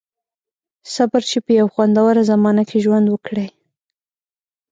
• صبر، چې په یوه خوندوره زمانه کې ژوند وکړئ.